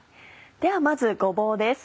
ではまずごぼうです。